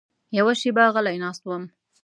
یوه شېبه غلی ناست وم.